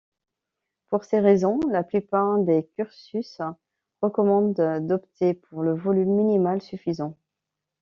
Pour ces raisons, la plupart des cursus recommandent d'opter pour le volume minimal suffisant.